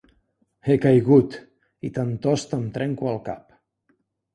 He caigut, i tantost em trenco el cap.